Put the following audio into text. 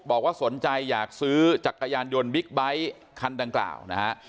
บอกว่าสนใจอยากซื้อจักรยานยนต์บิ๊กไบท์คันดังกล่าวนะฮะ